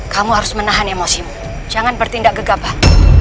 kamu harus menahan emosimu jangan bertindak gegabah